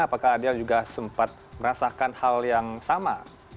apakah adel juga sempat merasakan hal yang sama